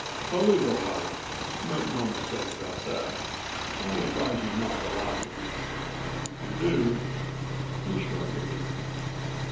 "A legal right make no mistake about that. I'd advise you not to lie to me. If you do " He shrugged again.